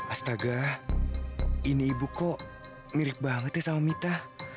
astaga ini ibu kok mirip banget ya sama mita